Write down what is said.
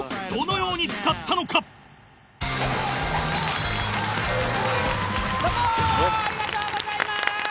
よろしくどうぞありがとうございます。